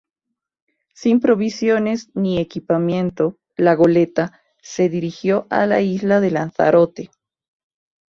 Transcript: Sin provisiones ni equipamiento, la goleta se dirigió a la isla de Lanzarote.